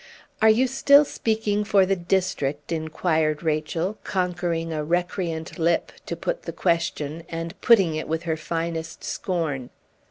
"Are you still speaking for the district?" inquired Rachel, conquering a recreant lip to put the question, and putting it with her finest scorn.